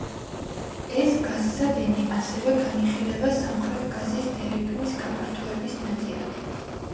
ეს გაზსადენი ასევე განიხილება სამხრეთ გაზის დერეფნის გაფართოების ნაწილად.